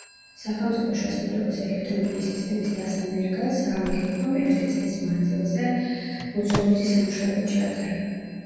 სახელმწიფო შესყიდვების ელექტრონული სისტემის დასანერგად სააგენტომ ერთი წლის მანძილზე მოცულობითი სამუშაოები ჩაატარა.